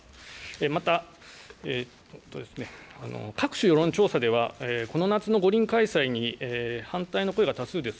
また、各種世論調査では、この夏の五輪開催に反対の声が多数です。